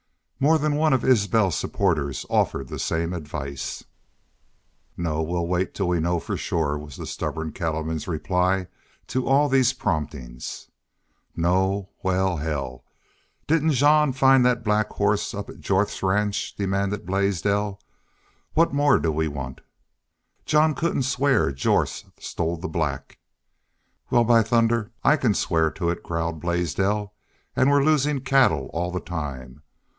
More than one of Isbel's supporters offered the same advice. "No; we'll wait till we know for shore," was the stubborn cattleman's reply to all these promptings. "Know! Wal, hell! Didn't Jean find the black hoss up at Jorth's ranch?" demanded Blaisdell. "What more do we want?" "Jean couldn't swear Jorth stole the black." "Wal, by thunder, I can swear to it!" growled Blaisdell. "An' we're losin' cattle all the time.